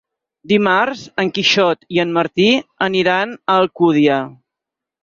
Dimarts en Quixot i en Martí aniran a Alcúdia.